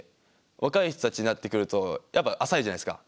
若い人たちになってくるとやっぱ浅いじゃないですか。